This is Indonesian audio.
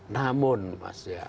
namun mas ya